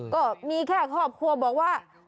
ก็มีแค่ครอบครัวบอกว่า